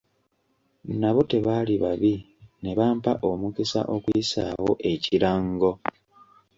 Nabo tebaali babi ne bampa omukisa okuyisaawo ekirango.